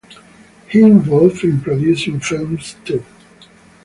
He involved in producing films too.